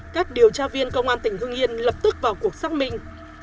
các điều tra viên công an tỉnh hưng yên lập tức vào cuộc xác minh